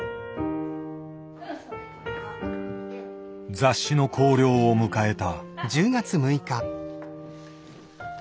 雑誌の校了を迎えた。